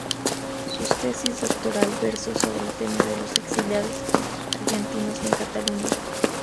Sus tesis doctoral versó sobre el tema de los exiliados argentinos en Cataluña.